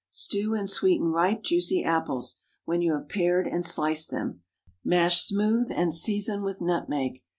✠ Stew and sweeten ripe, juicy apples, when you have pared and sliced them. Mash smooth, and season with nutmeg.